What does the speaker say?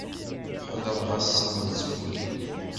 Ḥeḍreɣ ass-en mi tt-wwin.